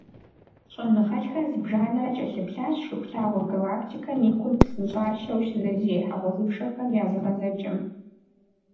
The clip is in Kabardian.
ЩIэныгъэлIхэр зыбжанэрэ кIэлъыплъащ Шыхулъагъуэ галактикэм и кум псынщIащэу щызэрызехьэ гъуэзыпшэхэм я зыгъэзэкIэм.